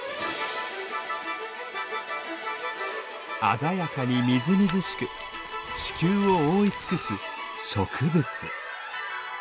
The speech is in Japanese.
鮮やかにみずみずしく地球を覆い尽くす植物。